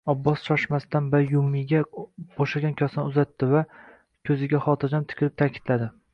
Abbos shoshmasdan Bayyumiga bo`shagan kosani uzatdi va ko`ziga xotirjam tikilib ta`kidladi